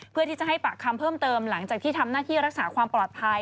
เพื่อที่จะให้ปากคำเพิ่มเติมหลังจากที่ทำหน้าที่รักษาความปลอดภัย